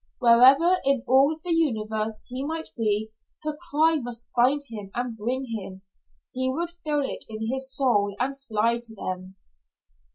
Wherever in all the universe he might be, her cry must find him and bring him. He would feel it in his soul and fly to them.